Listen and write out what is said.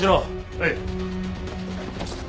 はい。